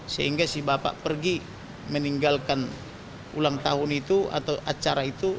sehingga si bapak pergi meninggalkan ulang tahun itu atau acara itu